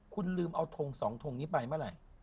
คุณลืมเอาทง๒ทงนี้ไปเมื่อไหร่